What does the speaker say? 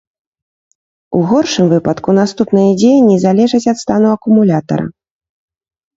У горшым выпадку наступныя дзеянні залежаць ад стану акумулятара.